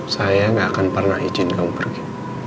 saya gak akan pernah izin kamu pergi